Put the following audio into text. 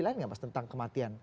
lain nggak mas tentang kematian